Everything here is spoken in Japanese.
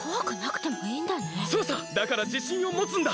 だからじしんをもつんだ！